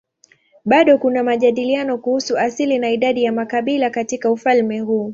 Bado kuna majadiliano kuhusu asili na idadi ya makabila katika ufalme huu.